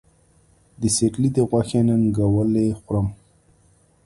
د سېرلي د غوښې ننګولی خورم